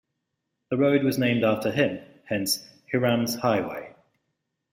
The road was named after him, hence "Hiram's Highway".